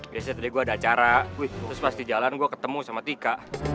biasanya tadi gue ada acara terus pas di jalan gue ketemu sama tika